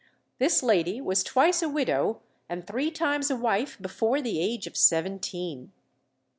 This lady was twice a widow and three times a wife before the age of seventeen.